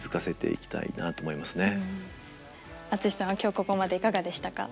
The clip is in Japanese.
今日ここまでいかがでしたか？